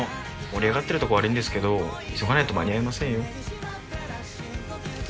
盛り上がってるとこ悪いんですけど急がないと間に合いませんよ。